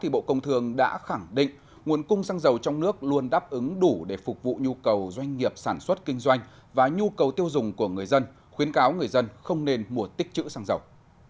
trước đó bộ công thương đã khẳng định nguồn cung xăng dầu trong nước luôn đáp ứng đủ để phục vụ nhu cầu doanh nghiệp sản xuất kinh doanh và nhu cầu tiêu dùng của người dân không nên mua tích chữ xăng dầu